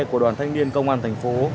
của đoàn thanh niên công an thành phố